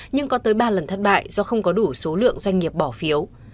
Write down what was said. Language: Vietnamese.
nhưng có tới ba lần thất bại do không có đủ số lượng doanh nghiệp bỏ phiếu